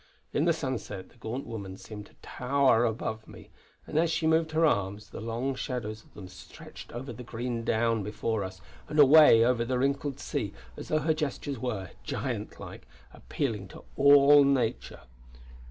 In the sunset, the gaunt woman seemed to tower above me; and as she moved her arms, the long shadows of them stretched over the green down before us and away over the wrinkled sea as though her gestures were, giant like, appealing to all nature.